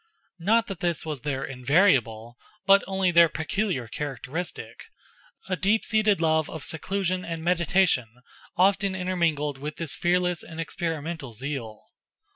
Not that this was their invariable, but only their peculiar characteristic: a deep seated love of seclusion and meditation often, intermingled with this fearless and experimental zeal.